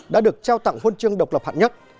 đã được trao tặng huân chương độc lập hạng nhất